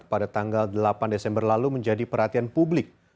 pada tanggal delapan desember lalu menjadi perhatian publik